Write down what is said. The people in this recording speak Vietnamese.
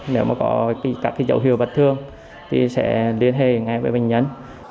nếu có dấu hiệu bật thương thì sẽ liên hệ ngay với bệnh nhân